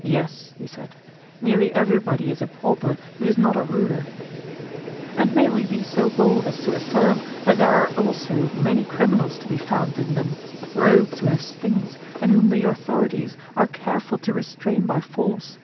Yes, he said; nearly everybody is a pauper who is not a ruler. And may we be so bold as to affirm that there are also many criminals to be found in them, rogues who have stings, and whom the authorities are careful to restrain by force?